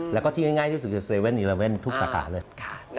แล้วก็ที่ง่ายที่๗๑๑ทุกสาขาเลย